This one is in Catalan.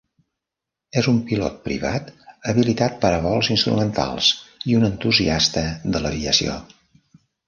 És un pilot privat habilitat per a vols instrumentals i un entusiasta de l'aviació.